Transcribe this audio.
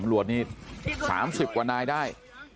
ตำรวจนี่๓๐กว่านายได้